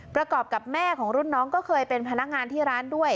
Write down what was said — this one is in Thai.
ประกอบกับแม่ของรุ่นน้องก็เคยเป็นพนักงานที่ร้านด้วย